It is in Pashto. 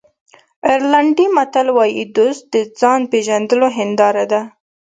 آیرلېنډي متل وایي دوست د ځان پېژندلو هنداره ده.